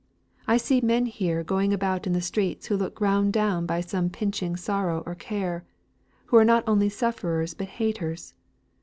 I see men here going about in the streets who look ground down by some pinching sorrow or care who are not only sufferers but haters.